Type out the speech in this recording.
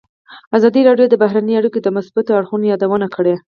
ازادي راډیو د بهرنۍ اړیکې د مثبتو اړخونو یادونه کړې.